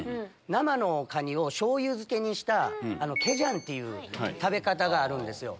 生のカニを醤油漬けにしたケジャンっていう食べ方があるんですよ。